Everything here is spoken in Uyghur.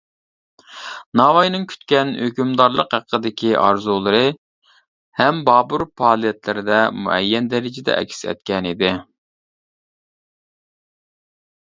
ناۋايىنىڭ كۈتكەن ھۆكۈمدارلىق ھەققىدىكى ئارزۇلىرى ھەم بابۇر پائالىيەتلىرىدە مۇئەييەن دەرىجىدە ئەكس ئەتكەن ئىدى.